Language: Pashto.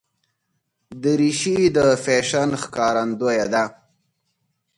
دریشي د فیشن ښکارندویه ده.